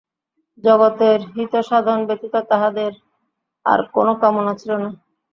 জগতের হিতসাধন ব্যতীত তাঁহাদের আর কোন কামনা ছিল না।